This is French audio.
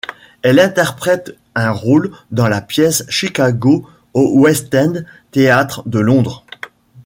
Elle interprète un rôle dans la pièce Chicago au West End theatre de Londres.